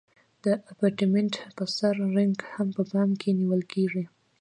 د ابټمنټ په سر رینګ هم په پام کې نیول کیږي